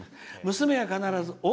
娘は必ずお！